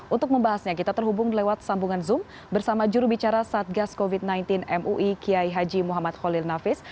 untuk membahasnya kita terhubung lewat sambungan zoom bersama jurubicara satgas covid sembilan belas mui kiai haji muhammad khalil nafis